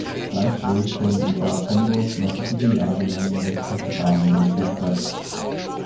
Gleichwohl fuhren in Bad Homburg noch viele Jahre lang elektrische Bahnen durch die Stadt.